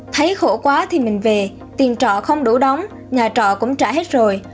thấy khổ quá thì mình về tiền trọ không đủ đóng nhà trọ cũng trả hết rồi